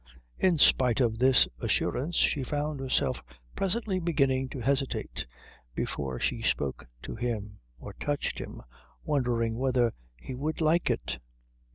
In spite of this assurance, she found herself presently beginning to hesitate before she spoke to him or touched him, wondering whether he would like it.